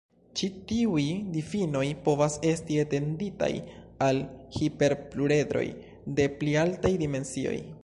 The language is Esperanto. Ĉi tiuj difinoj povas esti etenditaj al hiperpluredroj de pli altaj dimensioj.